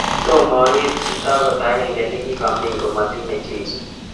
Tomo akere chit akot agenge nekikomeny komye komatinye Jeso